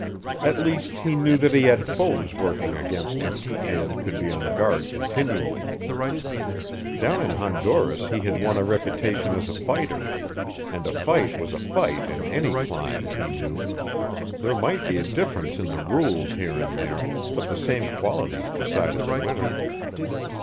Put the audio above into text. At least, he knew that he had foes working against him, and could be on guard continually. Down in Honduras he had won a reputation as a fighter, and a fight was a fight in any clime, he knew; there might be a difference in the rules here and there, but the same qualities decided the winner.